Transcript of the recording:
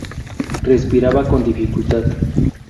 Respiraba con dificultad.